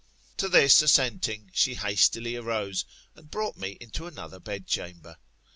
To this assenting, she hastily arose, and brought me into another bed chamber.